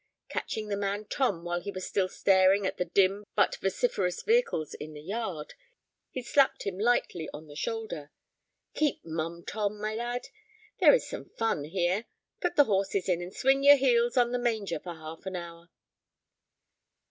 Catching the man Tom while he was still staring at the dim but vociferous vehicles in the yard, he slapped him lightly on the shoulder. "Keep mum, Tom, my lad. There is some fun here. Put the horses in, and swing your heels on the manger for half an hour."